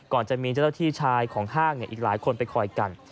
ก่อนจะมีเจ้าที่ชายของห้างเนี่ยอีกหลายคนไปคอยกัน